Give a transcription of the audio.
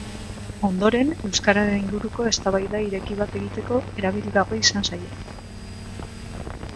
Ondoren, euskararen inguruko eztabaida ireki bat egiteko eragilgarri izan zaie.